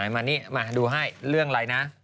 มาดูให้เรื่องไรนะ